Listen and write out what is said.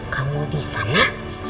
kamu di sana